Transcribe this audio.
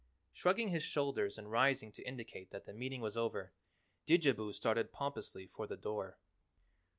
Shrugging his shoulders and rising to indicate that the meeting was over, Didjabo started pompously for the door.